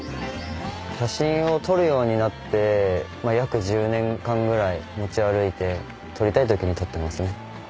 写真を撮るようになってまあ約１０年間くらい持ち歩いて撮りたいときに撮ってますね。